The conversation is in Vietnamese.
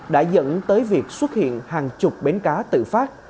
đã dẫn tới việc xuất hiện hàng chục bến cá tự phát